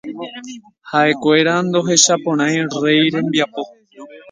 Ha'ekuéra ndohechaporãi rey rembiapo.